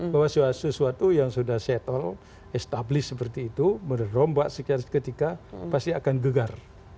bahwa sesuatu yang sudah settle established seperti itu merombak sekian ketika pasti akan gegar